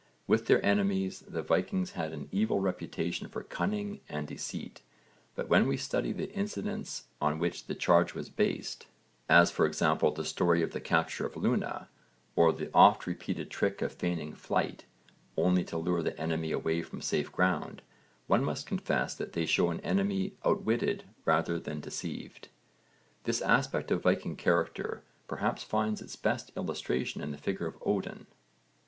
With their enemies the Vikings had an evil reputation for cunning and deceit, but when we study the incidents on which this charge was based as for example the story of the capture of Luna (v. supra, p. 47) or the oft repeated trick of feigning flight, only to lure the enemy away from safe ground one must confess that they show an enemy outwitted rather than deceived. This aspect of Viking character perhaps finds its best illustration in the figure of Odin.